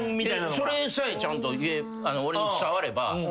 それさえちゃんと俺に伝われば「分かった」